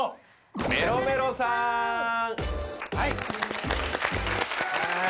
はい！